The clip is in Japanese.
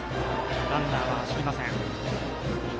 ランナーは走りません。